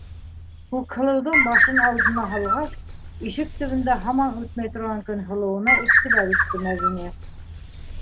Күкһылыуҙың башын алдына һалғас, ишек төбөндә һаман үтмәй торған Көнһылыуына иғтибар итте Мәҙинә: